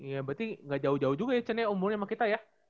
iya berarti gak jauh jauh juga ya chen ya umurnya sama kita ya